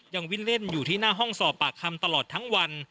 ยังวิ่งเล่นอยู่ที่หน้าห้องสอบปากคำตลอดทั้งวัน